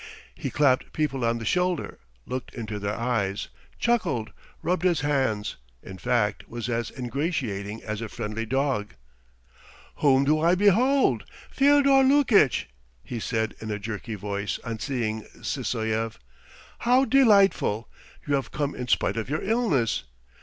He clapped people on the shoulder, looked into their eyes, chuckled, rubbed his hands, in fact was as ingratiating as a friendly dog. "Whom do I behold? Fyodor Lukitch!" he said in a jerky voice, on seeing Sysoev. "How delightful! You have come in spite of your illness.